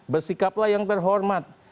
bersikaplah yang terhormat